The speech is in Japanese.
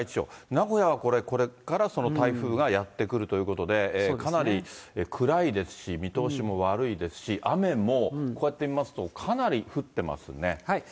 名古屋はこれから台風がやって来るということで、かなり暗いですし、見通しも悪いですし、雨もこうやって見ますと、かなり降ってますね。